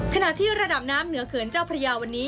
ขณะที่ระดับน้ำเหนือเขื่อนเจ้าพระยาวันนี้